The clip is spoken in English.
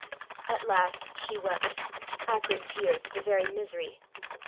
At last she wept acrid tears, for very misery.